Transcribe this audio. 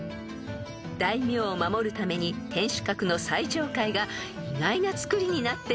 ［大名を守るために天守閣の最上階が意外な造りになっているんです］